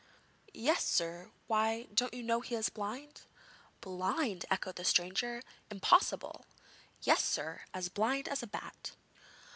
'Yes, sir? Why, don't you know he is blind?' 'Blind!' echoed the stranger; 'impossible!' 'Yes, sir, as blind as a bat.'